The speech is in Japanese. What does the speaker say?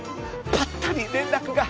ぱったり連絡が。